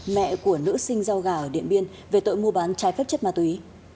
mẹ của nữ sinh rau gà ở điện biên về tội mua bán trái phép chất ma túy